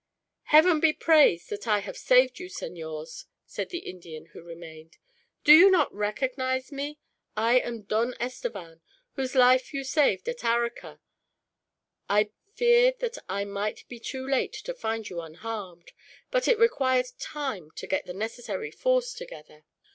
"Heaven be praised that I have saved you, senors!" said the Indian who remained. "Do you not recognize me? I am Don Estevan, whose life you saved at Arica. I feared that I might be too late to find you unharmed; but it required time to get the necessary force together.